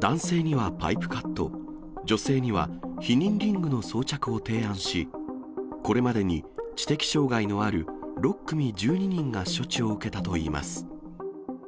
男性にはパイプカット、女性には避妊リングの装着を提案し、これまでに知的障害のある６組１２人が処置を受けたといいます。